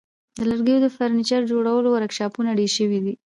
د لرګیو د فرنیچر جوړولو ورکشاپونه ډیر شوي دي.